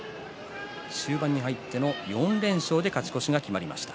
終盤に入って４連勝で勝ち越しが決まりました